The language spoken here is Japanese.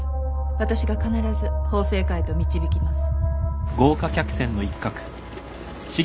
私が必ず法制化へと導きます。